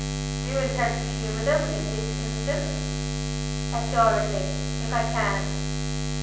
"Do you intend to humor them in this instance?" "Assuredly! If I can."